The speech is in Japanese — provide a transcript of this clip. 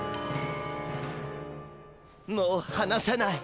「もうはなさない」。